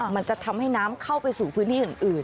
มันจะทำให้น้ำเข้าไปสู่พื้นที่อื่น